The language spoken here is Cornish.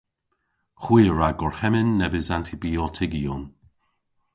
Hwi a wra gorhemmyn nebes antibiotygyon.